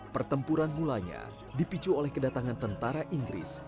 pertempuran mulanya dipicu oleh kedatangan tentara inggris